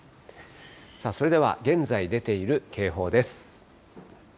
さあ、それでは現在出ている警報です。